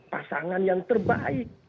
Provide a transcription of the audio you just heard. pasangan yang terbaik